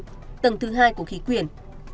lưu tầng thứ hai của khí quyển